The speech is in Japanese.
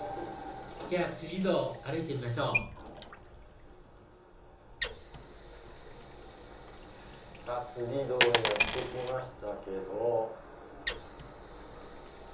じゃあ堂歩いてみましょう堂にやって来ましたけど。